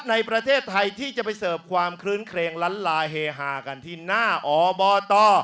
ในประเทศไทยที่จะไปเสิร์ฟความคลื้นเครงล้านลาเฮฮากันที่หน้าอบต